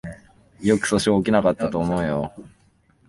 よく訴訟起きなかったと思うよ